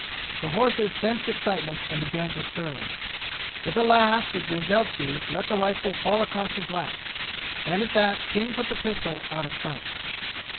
The horses sensed excitement and began to stir. With a laugh the jezailchi let the rifle fall across his lap, and at that King put the pistol out of sight.